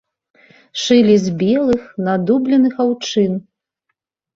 Шылі з белых надубленых аўчын.